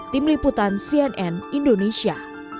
tim liputan cnn indonesia